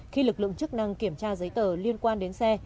khi lực lượng chức năng kiểm tra giấy tờ liên quan đến xe